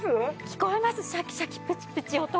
聞こえますシャキシャキプチプチ音が。